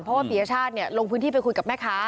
เพราะว่าปียชาติลงพื้นที่ไปคุยกับแม่ค้า